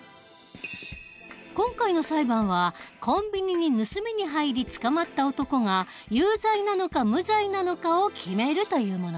今回の裁判はコンビニに盗みに入り捕まった男が有罪なのか無罪なのかを決めるというものだ。